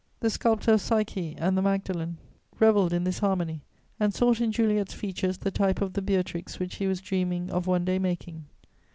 The sculptor of Psyche and the Magdalen revelled in this harmony, and sought in Juliet's features the type of the Beatrix which he was dreaming of one day making.